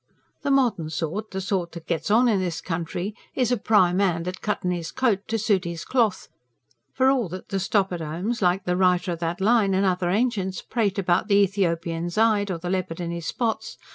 The modern sort, the sort that gets on in this country, is a prime hand at cuttin' his coat to suit his cloth; for all that the stop at homes, like the writer o' that line and other ancients, prate about the Ethiopian's hide or the leopard and his spots.